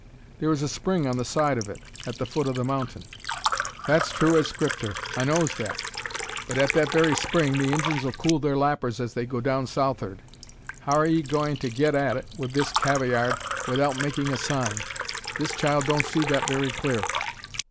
"There is a spring on the side of it, at the foot of the mountain." "That's true as Scripter. I knows that; but at that very spring the Injuns 'll cool their lappers as they go down south'ard. How are 'ee gwine to get at it with this cavayard 'ithout makin' sign? This child don't see that very clur."